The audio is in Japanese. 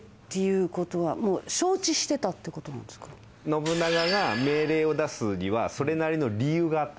信長が命令を出すにはそれなりの理由があった。